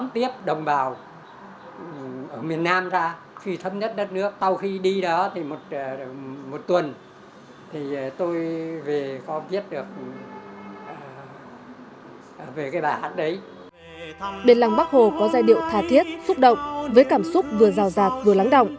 đến lăng bắc hồ có giai điệu tha thiết xúc động với cảm xúc vừa rào rạt vừa lắng động